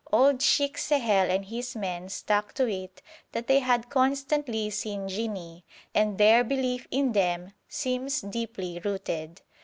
Old Sheikh Sehel and his men stuck to it that they had constantly seen jinni, and their belief in them seems deeply rooted.